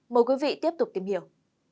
mời quý vị tiếp tục tìm hiểu